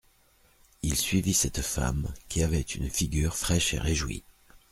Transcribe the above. Il suivit cette femme qui avait une figure fraîche et réjouie.